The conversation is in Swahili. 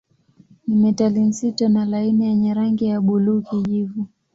Ni metali nzito na laini yenye rangi ya buluu-kijivu.